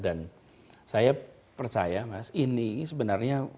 dan saya percaya mas ini sebenarnya